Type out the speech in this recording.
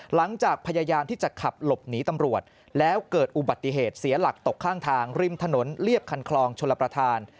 หลังจากพยายามที่จะขับหลบหนีตำรวจแล้วเกิดอุบัติเหตุเสียหลักตกข้างทางริมถนนเรียบคันคลองชลประธาน